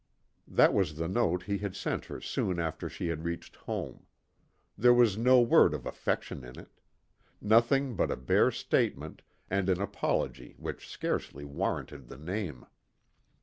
That was the note he had sent her soon after she had reached home. There was no word of affection in it. Nothing but a bare statement and an apology which scarcely warranted the name.